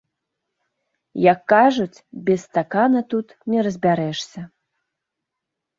Як кажуць, без стакана тут не разбярэшся.